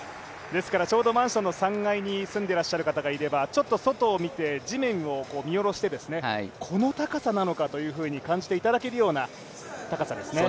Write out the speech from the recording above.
ちょうどマンションの３階に住んでらっしゃる方がいればちょっと外を見て、地面を見下ろして、この高さなのかと感じていただけるような高さですね。